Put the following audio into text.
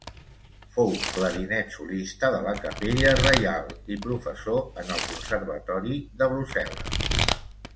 Fou clarinet solista de la Capella reial i professor en el Conservatori de Brussel·les.